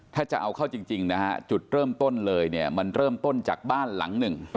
ถ้าจะเอาเข้าจริงนะฮะจุดเริ่มต้นเลยเนี่ยมันเริ่มต้นจากบ้านหลังหนึ่ง